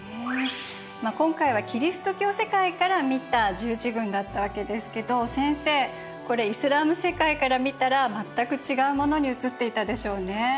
まあ今回はキリスト教世界から見た十字軍だったわけですけど先生これイスラーム世界から見たら全く違うものに映っていたでしょうね。